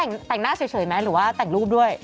อันนี้แต่งหน้าเฉยหรือว่าแต่งรูปด้วย